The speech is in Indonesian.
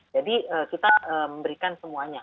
jadi kita memberikan semuanya